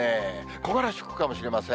木枯らし吹くかもしれません。